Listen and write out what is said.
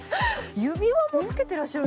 指輪も着けてらっしゃる。